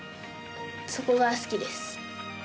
そこが好きです。